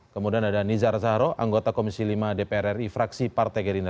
kemudian ada nizar zahro anggota komisi lima dpr ri fraksi partai gerindra